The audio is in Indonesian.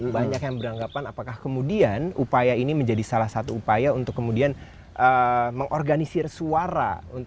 banyak yang beranggapan apakah kemudian upaya ini menjadi salah satu upaya untuk kemudian mengorganisir suara